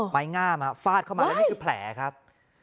ไม้งามฟาดเข้ามาแล้วนี่คือแผลครับ